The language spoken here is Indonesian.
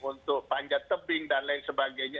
untuk panjat tebing dan lain sebagainya